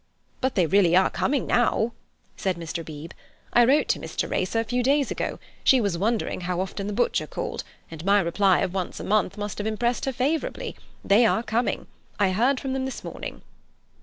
"But they really are coming now," said Mr. Beebe. "I wrote to Miss Teresa a few days ago—she was wondering how often the butcher called, and my reply of once a month must have impressed her favourably. They are coming. I heard from them this morning.